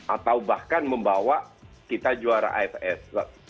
atau bahkan membawa kita juara aff